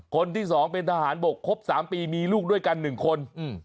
คนที่สองเป็นทหารบอกคบสามปีมีลูกด้วยกันหนึ่งคนอืม